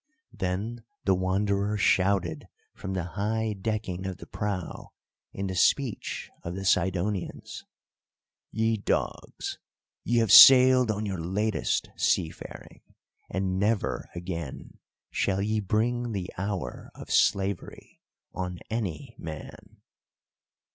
Then the Wanderer shouted from the high decking of the prow in the speech of the Sidonians: "Ye dogs, ye have sailed on your latest seafaring, and never again shall ye bring the hour of slavery on any man."